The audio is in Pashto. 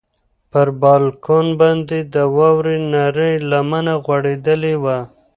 پر بالکن باندې د واورې نرۍ لمنه غوړېدلې وه.